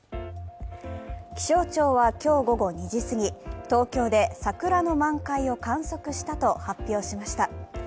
気象庁は今日午後２時すぎ、東京で桜の満開を観測したと発表しました。